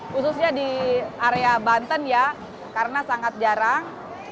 khususnya di area banten ya karena sangat jarang